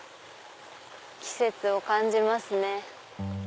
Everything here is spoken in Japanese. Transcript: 季節を感じますね。